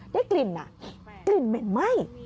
ได้กลิ่นกลิ่นเหม็นไหม้